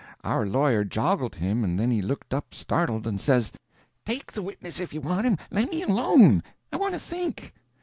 Our lawyer joggled him, and then he looked up startled, and says, "Take the witness if you want him. Lemme alone—I want to think."